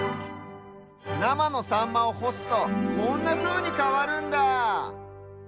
なまのサンマをほすとこんなふうにかわるんだ！